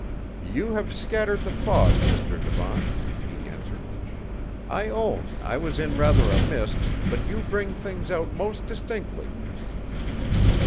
"You have scattered the fog, Mr. Devant," he answered. "I own I was in rather a mist, but you bring things out most distinctly!"